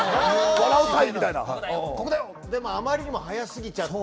でもあまりにもはやすぎちゃって。